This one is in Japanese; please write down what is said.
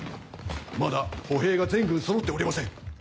まだ歩兵が全軍そろっておりません。